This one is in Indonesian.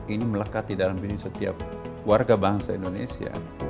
ini melekat di dalam diri setiap warga bangsa indonesia